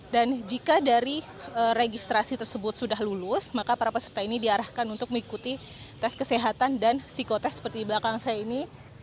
dan jika dari registrasi tersebut sudah lulus maka para peserta ini diarahkan untuk mengikuti tes kesehatan dan psikotest seperti di belakang saya ini